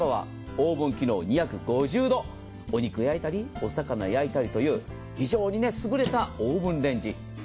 オーブン機能２５０度、お肉焼いたりお魚焼いたりと非常に優れたオーブンレンジ。